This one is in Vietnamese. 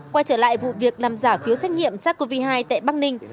quay trở lại vụ việc làm giả phiếu xét nghiệm sars cov hai tại bắc ninh